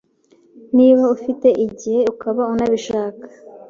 niba ufite igihe ukaba unabishaka